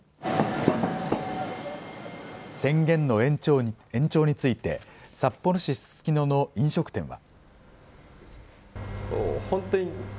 宣言の延長について、札幌市ススキノの飲食店は。